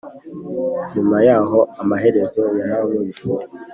nyuma yaho, amaherezo yarankubise